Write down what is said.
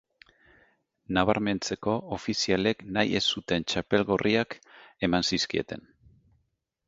Nabarmentzeko ofizialek nahi ez zuten txapel gorriak eman zizkieten.